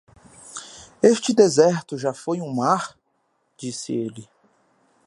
"Este deserto já foi um mar?", disse ele.